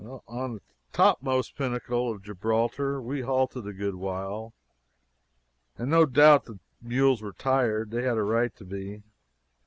On the topmost pinnacle of Gibraltar we halted a good while, and no doubt the mules were tired. They had a right to be.